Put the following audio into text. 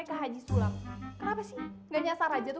apa apa semuanya selalu nyasar ke haji sulam